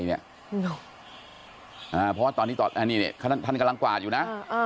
เพราะว่าตอนนี้ท่านกำลังกวาดอยู่นะ